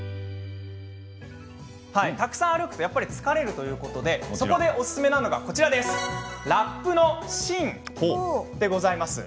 たくさん歩くとやっぱり疲れるということでそこでおすすめなのがラップの芯でございます。